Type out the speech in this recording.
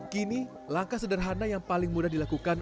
kini langkah sederhana yang paling mudah dilakukan